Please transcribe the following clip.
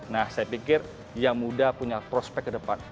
nah saya pikir yang muda punya prospek ke depan